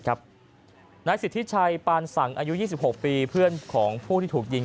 นายสิทธิชัยปานสังอายุ๒๖ปีเพื่อนของผู้ที่ถูกยิง